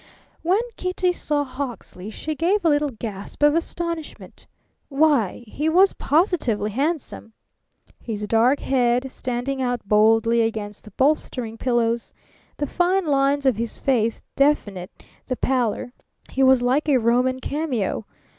When Kitty saw Hawksley she gave a little gasp of astonishment. Why, he was positively handsome! His dark head, standing out boldly against the bolstering pillows, the fine lines of his face definite, the pallor he was like a Roman cameo.